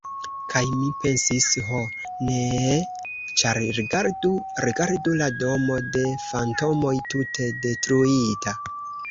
Kaj mi pensis: "Ho, neeeeeee!", ĉar rigardu, rigardu: la Domo de Fantomoj: tute detruita!